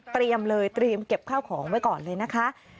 เตรียมเลยเตรียมเก็บข้าวของไว้ก่อนเลยนะคะ